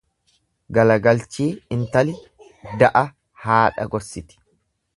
Gala galchii intali da'a haadha gorsiti.